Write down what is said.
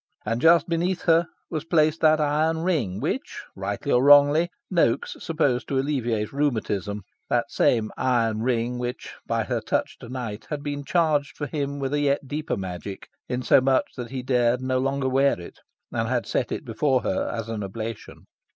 And just beneath her was placed that iron ring which, rightly or wrongly, Noaks supposed to alleviate rheumatism that same iron ring which, by her touch to night, had been charged for him with a yet deeper magic, insomuch that he dared no longer wear it, and had set it before her as an oblation.